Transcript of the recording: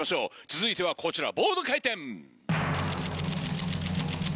続いてはこちらボード回転！